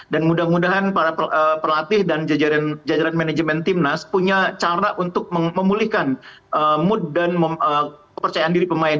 dan mudah mudahan para pelatih dan jajaran manajemen timnas punya cara untuk memulihkan mood dan kepercayaan diri pemain